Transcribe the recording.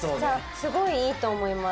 すごいいいと思います。